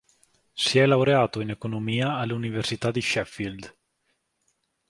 Si è laureato in economia all'Università di Sheffield.